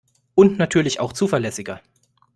Und natürlich auch zuverlässiger.